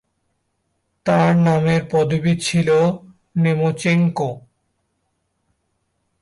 তার নামের পদবী ছিল নেমচেঙ্কো।